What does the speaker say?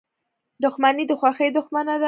• دښمني د خوښۍ دښمنه ده.